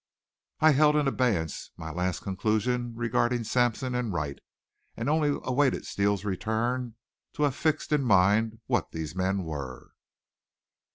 I held in abeyance my last conclusion regarding Sampson and Wright, and only awaited Steele's return to have fixed in mind what these men were.